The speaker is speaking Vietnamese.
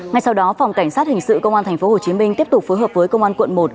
ngay sau đó phòng cảnh sát hình sự công an tp hcm tiếp tục phối hợp với công an quận một